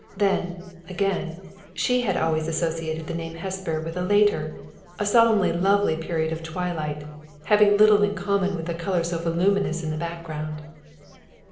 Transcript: Then, again, she had always associated the name Hesper with a later, a solemnly lovely period of twilight, having little in common with the color so voluminous in the background.